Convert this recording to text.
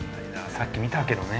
さっき見たけどね。